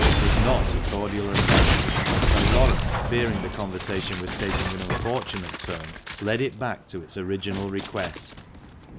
was not a cordial assent; and Laurence, fearing the conversation was taking an unfortunate turn, led it back to its original request.